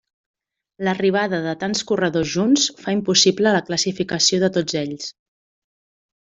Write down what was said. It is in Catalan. L'arribada de tants corredors junts fa impossible la classificació de tots ells.